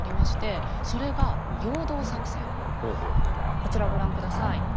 こちらご覧下さい。